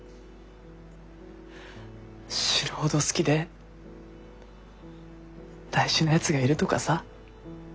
死ぬほど好きで大事なやつがいるとかさ。